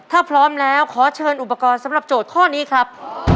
ถ้าพร้อมแล้วขอเชิญอุปกรณ์สำหรับโจทย์ข้อนี้ครับ